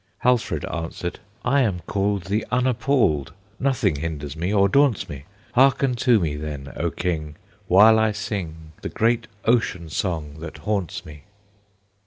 Halfred answered: "I am called The Unappalled! Nothing hinders me or daunts me. Hearken to me, then, O King, While I sing The great Ocean Song that haunts me."